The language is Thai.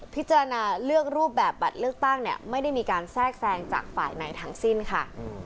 พิจารณาเลือกรูปแบบบัตรเลือกตั้งเนี่ยไม่ได้มีการแทรกแทรงจากฝ่ายไหนทั้งสิ้นค่ะ